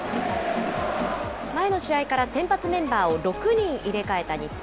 前の試合から先発メンバーを６人入れ替えた日本。